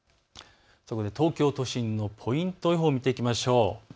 東京都心のポイント予報を見ていきましょう。